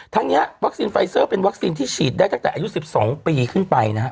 ทั้งนี้วัคซีนไฟเซอร์เป็นวัคซีนที่ฉีดได้ตั้งแต่อายุ๑๒ปีขึ้นไปนะฮะ